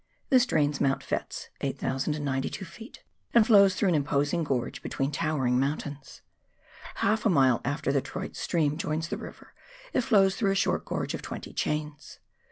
This drains Mount Fettes (8,092 ft.) and flows through an imposing gorge between towering mountains. Half a mile after the Troyte stream joins the river, it flows through a short gorge of twenty chains.